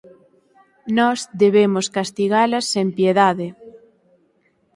Nós debemos castigalas sen piedade.